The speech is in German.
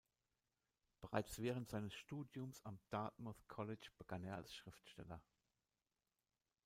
Bereits während seines Studiums am Dartmouth College begann er als Schriftsteller.